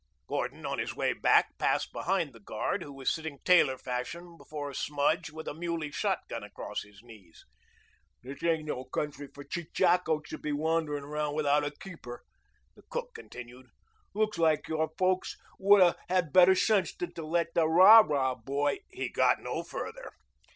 Gordon, on his way back, passed behind the guard, who was sitting tailor fashion before a smudge with a muley shotgun across his knees. "This ain't no country for chechakoes to be wandering around without a keeper," the cook continued. "Looks like your folks would have better sense than to let their rah rah boy " He got no farther.